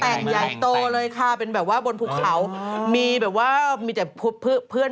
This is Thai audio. แต่งยังโตเลยค่ะเป็นแบบว่าบนภูเขามีแต่เพื่อน